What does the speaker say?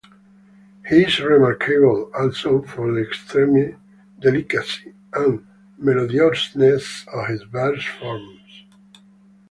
He is remarkable, also, for the extreme delicacy and melodiousness of his verse-forms.